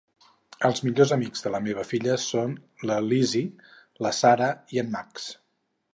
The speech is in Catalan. Els millors amics de la meva filla són la Lizzie, la Sarah i en Max.